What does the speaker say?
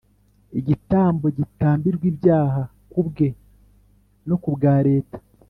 igitambo gitambirwa ibyaha ku bwe no ku bwa leta